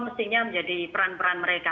mestinya menjadi peran peran mereka